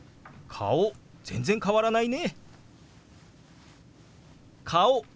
「顔全然変わらないね」。